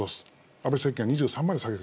安倍政権は２３まで下げた。